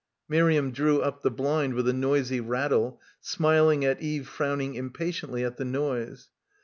Miriam drew up the blind with a noisy rattle, smiling at Eve frowning impatiently at the noise.